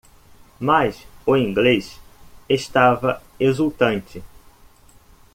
Mas o inglês estava exultante.